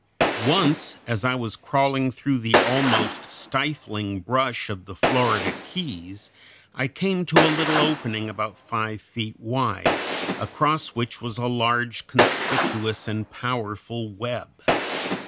Once as I was crawling through the almost stifling brush of one of the Florida Keys I came to a little opening about five feet wide, across which was a large, conspicuous, and powerful web.